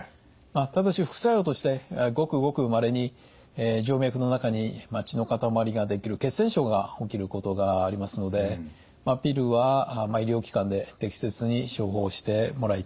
ただし副作用としてごくごくまれに静脈の中に血の塊が出来る血栓症が起きることがありますのでピルは医療機関で適切に処方してもらいたいと思います。